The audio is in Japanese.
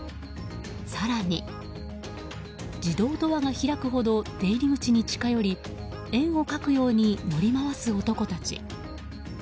更に自動ドアが開くほど出入り口に近寄り円を描くように乗り回す男たち。